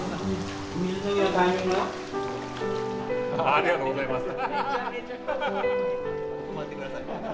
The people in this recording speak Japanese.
ありがとうございます。